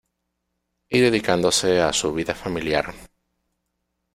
Y dedicándose a su vida familiar.